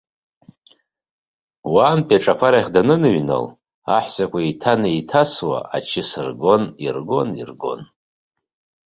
Уантәи аҿаԥарахь даныныҩнала, аҳәсақәа еиҭанеиҭасуа ачыс ргон, иргон, иргон.